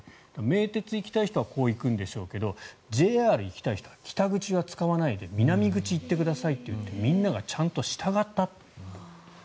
名鉄に行きたい人はこう行くんでしょうけどＪＲに行きたい人は北口は使わないで南口に行ってくださいと言ってみんながちゃんと従ったと。